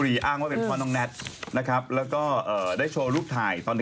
แล้วก็เงินคาตัวก็ได้เท่ากันอ่าน